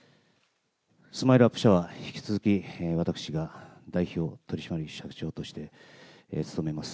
スマイルアップ社は引き続き私が代表取締役社長として務めます。